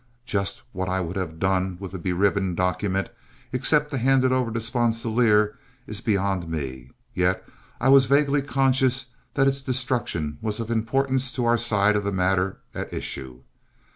Just what I would have done with the beribboned document, except to hand it over to Sponsilier, is beyond me, yet I was vaguely conscious that its destruction was of importance to our side of the matter at issue.